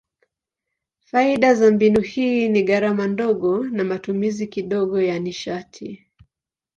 Faida za mbinu hii ni gharama ndogo na matumizi kidogo ya nishati.